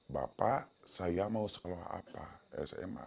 bapak saya mau sekolah apa sma